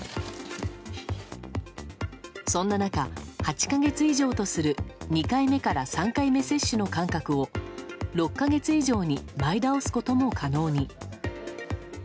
そんな中、８か月以上とする２回目から３回目接種の間隔を６か月以上に前倒すことも可能に。